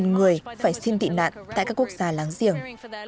một trăm chín mươi người phải xin tị nạn tại các quốc gia láng giềng